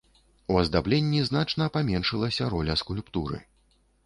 У аздабленні значна паменшылася роля скульптуры.